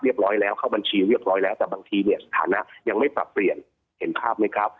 ร้อยแล้วเข้าบัญชีเรียบร้อยแล้วแต่บางทีเนี่ยสถานะยังไม่ปรับเปลี่ยนเห็นภาพไหมครับ